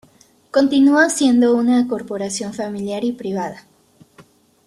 Continúa siendo una corporación familiar y privada.